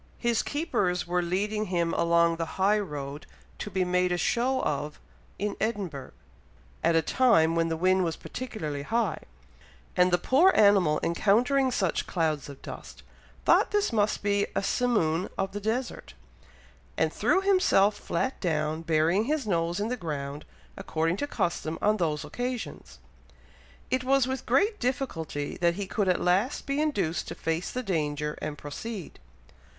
His keepers were leading him along the high road to be made a show of in Edinburgh, at a time when the wind was particularly high; and the poor animal encountering such clouds of dust, thought this must be a simoon of the desert, and threw himself flat down, burying his nose in the ground, according to custom on those occasions. It was with great difficulty that he could at last be induced to face the danger, and proceed."